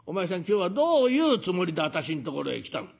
今日はどういうつもりで私んところへ来たの？」。